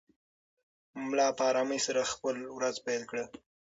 ملا په ارامۍ سره خپله ورځ پیل کړه.